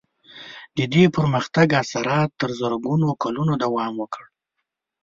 د دې پرمختګ اثرات تر زرګونو کلونو دوام وکړ.